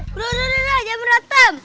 bro broran aja beratam